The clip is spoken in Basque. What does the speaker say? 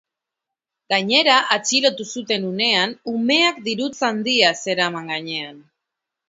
Gainera, atxilotu zuten unean, umeak dirutza handia zeraman gainean.